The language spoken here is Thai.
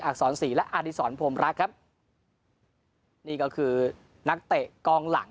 อักษรสี่และอาธิสรพรมรักครับนี่ก็คือนักเตะกองหลัง